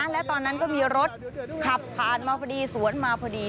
และตอนนั้นก็มีรถขับผ่านมาพอดีสวนมาพอดี